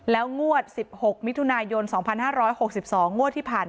แล้วงวด๑๖มิถุนายน๒๕๖๒